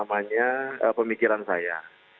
kebenaran yang terjadi di rumah saya